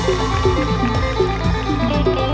เธอไม่รู้ว่าเธอไม่รู้